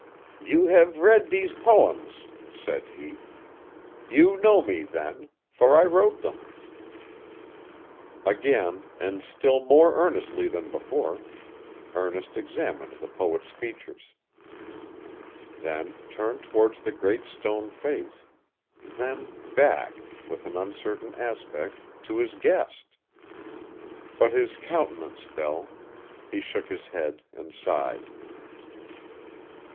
'You have read these poems,' said he. 'You know me, then for I wrote them.' Again, and still more earnestly than before, Ernest examined the poet's features; then turned towards the Great Stone Face; then back, with an uncertain aspect, to his guest. But his countenance fell; he shook his head, and sighed.